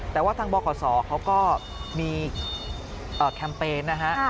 แต่ว่าทางบขศเขาก็มีแคมเปญนะฮะ